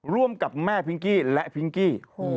ร่วมกับแม่พิงกี้และพิงกี้